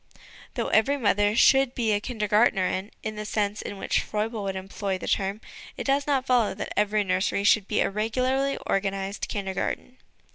Though every mother should be a Kinder gdrtnerin, in the sense in which Froebel would employ the term, it does not follow that every nursery should be a regularly organised Kindergarten.